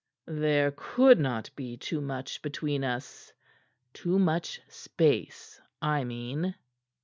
"There could not be too much between us too much space, I mean."